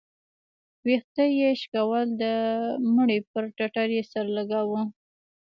ويښته يې شكول د مړي پر ټټر يې سر لګاوه.